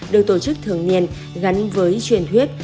được tổ chức thường niên gắn với truyền huyết